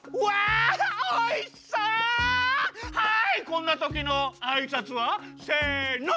こんなときのあいさつは？せの！